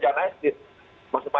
yang dari ekman